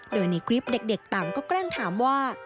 โดยในคลิปเด็กต่างก็แกล้งถามว่า